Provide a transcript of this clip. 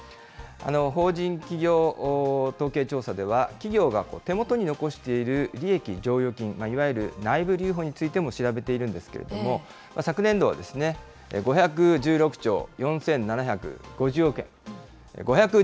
法人企業統計調査では、企業が手元に残している利益剰余金、いわゆる内部留保についても調べているんですけれども、昨年度は５１６兆４７５０億円。